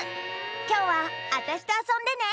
きょうはあたしとあそんでね！